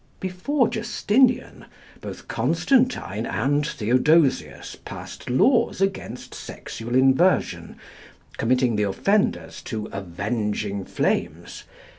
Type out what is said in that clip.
Before Justinian, both Constantine and Theodosius passed laws against sexual inversion, committing the offenders to "avenging flames."